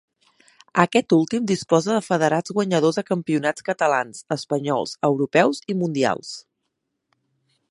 Aquest últim disposa de federats guanyadors a campionats catalans, espanyols, europeus i mundials.